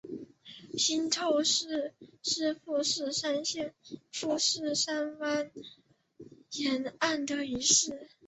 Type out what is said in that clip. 新凑市是富山县富山湾沿岸的一市。